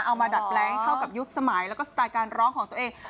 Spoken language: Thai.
มาดัดแปลงให้เข้ากับยุคสมัยแล้วก็สไตล์การร้องของตัวเอง